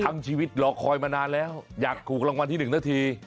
ชีวิตรอคอยมานานแล้วอยากถูกรางวัลที่๑นาที